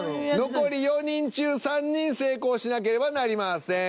残り４人中３人成功しなければなりません。